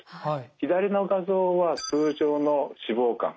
左の画像は通常の脂肪肝。